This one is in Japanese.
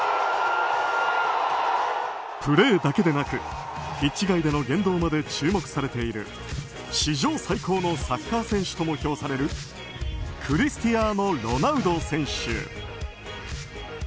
プレーだけでなくピッチ外での言動まで注目されている、史上最高のサッカー選手とも評されるクリスティアーノ・ロナウド選手。